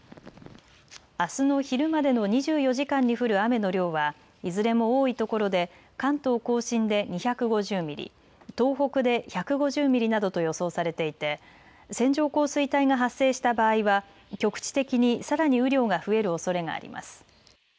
あすの昼までの２４時間に降る雨の量はいずれも多いところで関東甲信で２５０ミリ、東北で１５０ミリなどと予想されていて線状降水帯が発生した場合は局地的にさらに雨量が増えるおそれがあります。